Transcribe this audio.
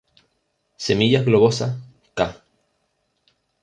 Semillas globosas, ca.